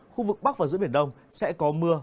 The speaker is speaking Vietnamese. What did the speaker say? khu vực bắc và giữa biển đông sẽ có mưa